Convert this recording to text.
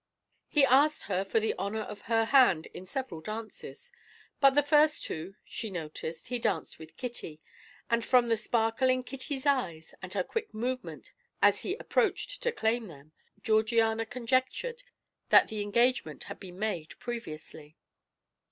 He asked her for the honour of her hand in several dances; but the first two, she noticed, he danced with Kitty, and from the sparkle in Kitty's eye, and her quick movement as he approached to claim them, Georgiana conjectured that the engagement had been made previously.